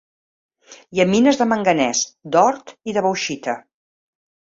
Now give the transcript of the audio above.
Hi ha mines de manganès, d'or i de bauxita.